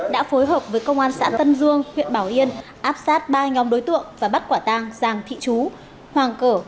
đã phối hợp với công an xã tân dương huyện bảo yên áp sát ba nhóm đối tượng và bắt quả tàng giàng thị chú hoàng cở